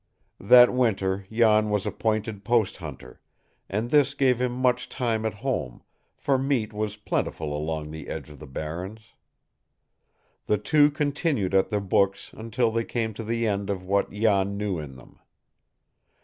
That winter Jan was appointed post hunter, and this gave him much time at home, for meat was plentiful along the edge of the barrens. The two continued at their books until they came to the end of what Jan knew in them.